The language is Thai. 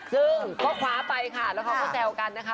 ซึ่งก็คว้าไปค่ะแล้วเขาก็แซวกันนะคะ